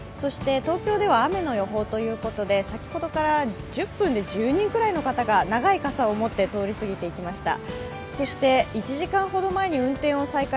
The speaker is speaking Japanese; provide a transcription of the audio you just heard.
東京では雨の予報ということで先ほどから１０分で２０人ぐらいの方が長い傘を持って通り過ぎていきました。